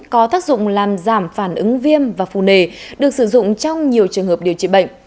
có tác dụng làm giảm phản ứng viêm và phù nề được sử dụng trong nhiều trường hợp điều trị bệnh